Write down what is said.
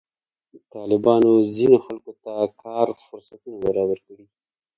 طالبانو ځینې خلکو ته کار فرصتونه برابر کړي.